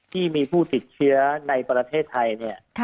ที่มีผู้ติดเชื้อในประเทศไทยเนี่ย